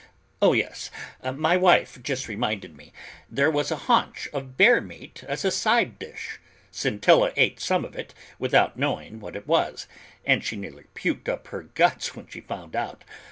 Oh yes, my wife has just reminded me, there was a haunch of bear meat as a side dish, Scintilla ate some of it without knowing what it was, and she nearly puked up her guts when she found out.